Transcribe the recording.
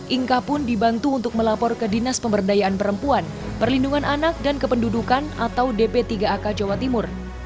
inka pun dibantu untuk melapor ke dinas pemberdayaan perempuan perlindungan anak dan kependudukan atau dp tiga ak jawa timur